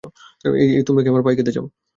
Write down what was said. এই, তোমরা কি আমার পাই খেতে চাও?